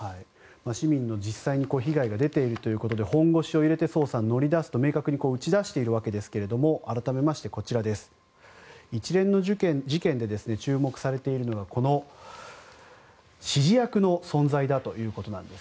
市民にも実際に被害が出ているということで本腰を入れて捜査に乗り出すと明確に打ち出しているわけですが改めて一連の事件で注目されているのが指示役の存在だということです。